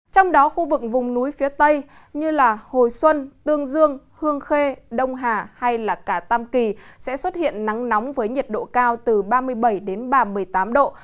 trong đó khu vực vùng núi phía tây như hồi xuân tương dương hương khê đông hà hay cả tam kỳ sẽ xuất hiện nắng nóng với nhiệt độ cao từ ba mươi bảy đến ba mươi tám độ